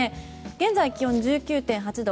現在、気温は１９．８度。